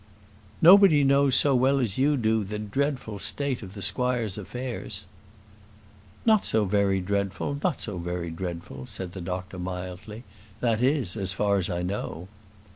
"Nobody knows so well as you do the dreadful state of the squire's affairs." "Not so very dreadful; not so very dreadful," said the doctor, mildly: "that is, as far as I know."